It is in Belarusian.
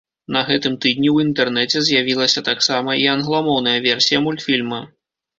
На гэтым тыдні ў інтэрнэце з'явілася таксама і англамоўная версія мультфільма.